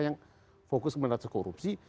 yang fokus kemenatan korupsi